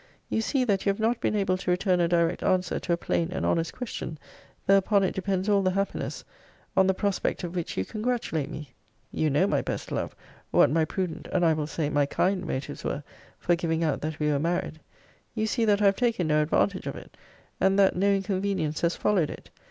You see, that you have not been able to return a direct answer to a plain and honest question, though upon it depends all the happiness, on the prospect of which you congratulate me! You know, my best love, what my prudent, and I will say, my kind motives were, for giving out that we were married. You see that I have taken no advantage of it; and that no inconvenience has followed it.